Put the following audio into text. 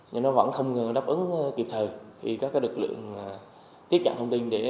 nhưng nó vẫn không đáp ứng kịp thời khi các lực lượng tiếp nhận thông tin để tiếp ứng